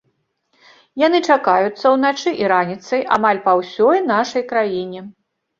Яны чакаюцца ўначы і раніцай амаль па ўсёй нашай краіне.